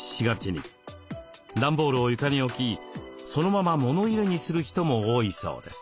段ボールを床に置きそのまま物入れにする人も多いそうです。